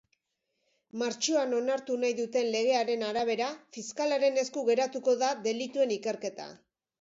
Martxoan onartu nahi duten legearen arabera, fiskalaren esku geratuko da delituen ikerketa.